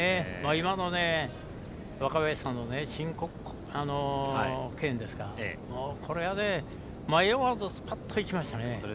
今の若林さんの申告敬遠もこれは迷わずスパッといきましたね。